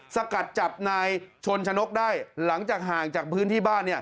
สกัดจับนายชนชนกได้หลังจากห่างจากพื้นที่บ้าน